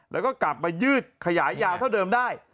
แล้วก็กลับมายืดขยายยาวเท่าเดิมได้